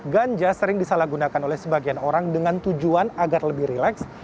ganja sering disalahgunakan oleh sebagian orang dengan tujuan agar lebih rileks